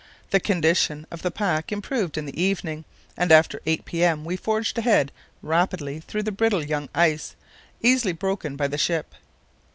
The condition of the pack improved in the evening, and after 8 p.m. we forged ahead rapidly through brittle young ice, easily broken by the ship.